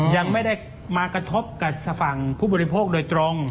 ยังไม่ได้มากระทบกับฝั่งผู้บริโภคโดยตรง